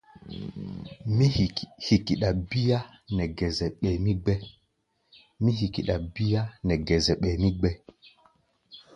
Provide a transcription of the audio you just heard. Mí hikiɗa bíá nɛ gɛsɛ, ɓɛɛ mí gbɛ́.